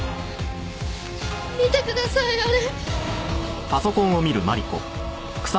見てくださいあれ。